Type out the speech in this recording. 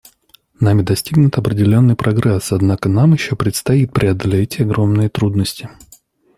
Нами достигнут определенный прогресс, однако нам еще предстоит преодолеть огромные трудности.